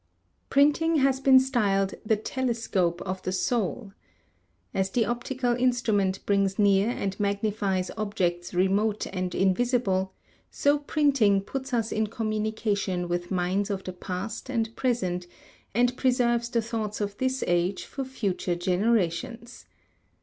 Printing has been styled "The telescope of the soul." As the optical instrument brings near and magnifies objects remote and invisible, so printing puts us in communication with minds of the past and present, and preserves the thoughts of this age for future generations.